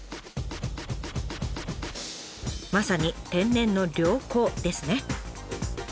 まさに天然の良港ですね。